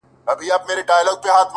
له څه مودې راهيسي داسـي يـمـه؛